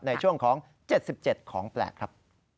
ในช่วงของ๗๗ของแปลกครับ